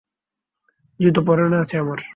জুতো পরনে আছে আমার।